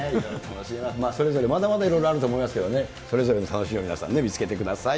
それぞれまだまだいろいろあると思いますけどね、それぞれの楽しみを皆さん、見つけてください。